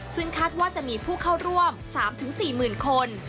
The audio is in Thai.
ซึ่งคาดว่าจะมีผู้เข้าร่วม๓๔๐๐๐คน